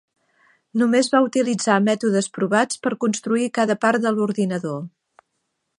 Només va utilitzar mètodes provats per construir cada part de l'ordinador.